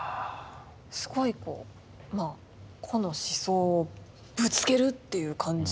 すごいこう個の思想をぶつけるっていう感じの作品ですね。